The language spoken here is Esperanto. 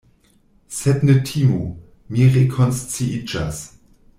Sed ne timu; mi rekonsciiĝas.